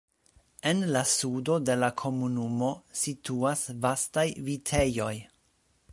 En la sudo de la komunumo situas vastaj vitejoj.